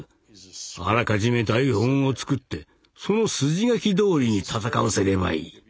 「あらかじめ台本を作ってその筋書きどおりに戦わせればいい。